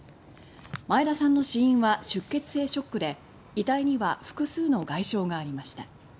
前田さんの死因は出血性ショックで遺体には複数の外傷がありました。